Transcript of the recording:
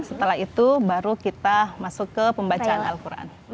setelah itu baru kita masuk ke pembacaan al quran